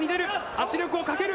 圧力をかける。